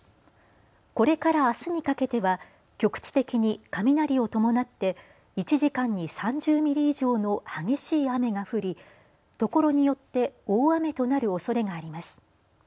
これからあすにかけては局地的に雷を伴って１時間に３０ミリ以上の激しい雨が降りところによって大雨となるおそれがあります。